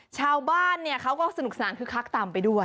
ชาวบ้านเขาก็สนุกสนานคึกคักตามไปด้วย